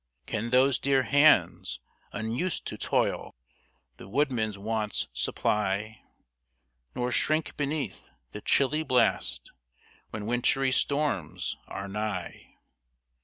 Can those dear hands, unused to toil, The woodman's wants supply, Nor shrink beneath the chilly blast When wintry storms are nigh?